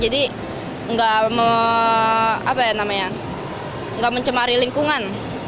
jadi gak mencemari lingkungan